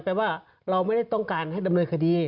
แปลว่าเราไม่ได้ต้องการให้ดำเนินคดี